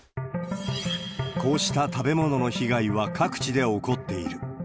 こうした食べ物の被害は各地で起こっている。